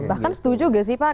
bahkan setuju gak sih pak